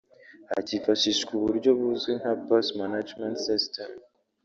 hakifashishwa uburyo buzwi nka ‘Bus Management System’